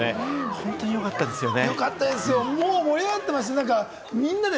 本当によかったですね。